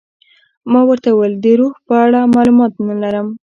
ما ورته وویل د روح په اړه معلومات نه لرم.